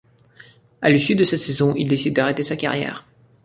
À l'issue de cette saison, il décide d'arrêter sa carrière.